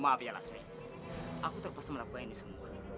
maaf ya lasmi aku terpaksa melakukan ini semua